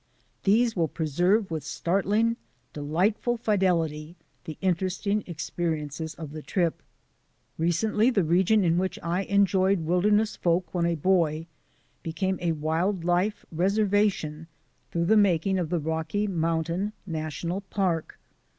These will preserve with startling, delightful fidelity the interesting expe riences of the trip. Recently the region in which I enjoyed wilder ness folk when a boy became a wild life reserve i 5 2 THE ADVENTURES OF A NATURE GUIDE tion through the making of the Rocky Mountain National Park.